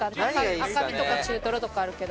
赤身とか中トロとかあるけど。